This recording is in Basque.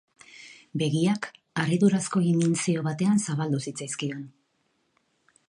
Begiak harridurazko imintzio batean zabaldu zitzaizkion.